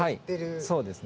はいそうですね。